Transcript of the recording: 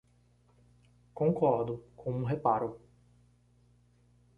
Concordo, com um reparo.